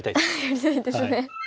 やりたいですね。